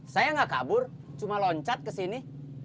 saya nggak kabur cuma loncat ke sini